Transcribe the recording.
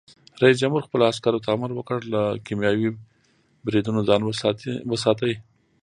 رئیس جمهور خپلو عسکرو ته امر وکړ؛ له کیمیاوي بریدونو ځان وساتئ!